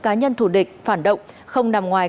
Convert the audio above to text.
cá nhân thù địch phản động không nằm ngoài